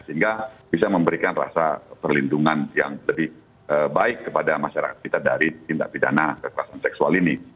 sehingga bisa memberikan rasa perlindungan yang lebih baik kepada masyarakat kita dari tindak pidana kekerasan seksual ini